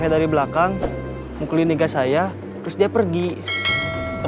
iya bedanya bekerja pun masih main diam diam